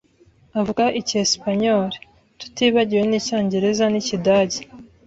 Avuga Icyesipanyoli, tutibagiwe n'Icyongereza n'Ikidage.